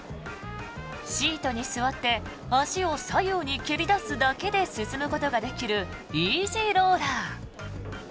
シートに座って足を左右に蹴り出すだけで進むことができるイージーローラー。